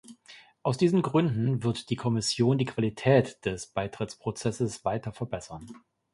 Aus diesen Gründen wird die Kommission die Qualität des Beitrittsprozesses weiter verbessern.